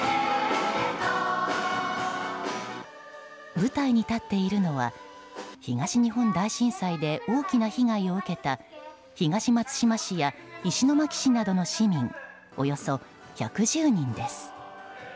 舞台に立っているのは東日本大震災で大きな被害を受けた東松島市や石巻市などの市民およそ１１０人です。